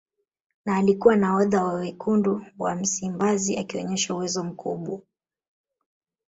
Na alikuwa nahodha wa Wekundu wa Msimbazi akionyesha uwezo mkubwa